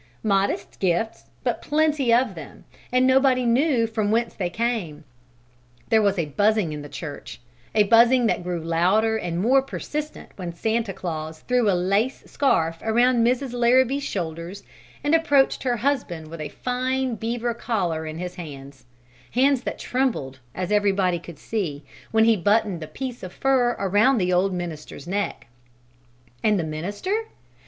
Modest gifts, but plenty of them, and nobody knew from whence they came! There was a buzzing in the church, a buzzing that grew louder and more persistent when Santa Claus threw a lace scarf around Mrs. Larrabee's shoulders and approached her husband with a fine beaver collar in his hands: hands that trembled, as everybody could see, when he buttoned the piece of fur around the old minister's neck. And the minister?